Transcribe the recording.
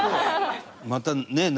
またねえ。